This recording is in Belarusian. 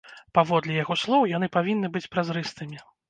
Паводле яго слоў, яны павінны быць празрыстымі.